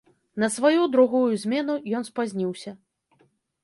На сваю, другую, змену ён спазніўся.